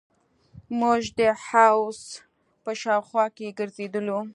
موږ د حوض په شاوخوا کښې ګرځېدلو.